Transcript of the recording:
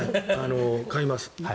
買います。